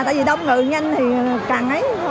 tại vì đông người nhanh thì càng ấy